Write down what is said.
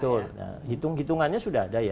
betul hitung hitungannya sudah ada ya